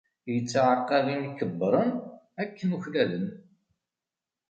Ittɛaqab imkebbren akken uklalen.